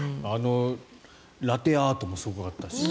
ラテアートもすごかったし。